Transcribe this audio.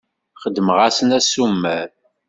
Xedmeɣ-asen assumer.